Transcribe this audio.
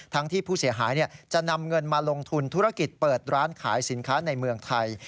ที่ผู้เสียหายจะนำเงินมาลงทุนธุรกิจเปิดร้านขายสินค้าในเมืองไทย